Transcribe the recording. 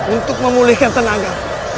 untuk memulihkan tenaga